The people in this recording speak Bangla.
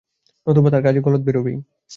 নতুবা তার কাজে গলদ বেরোবেই।